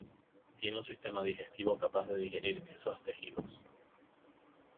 Tiene un sistema digestivo capaz de digerir esos tejidos.